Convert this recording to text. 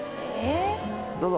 どうぞ。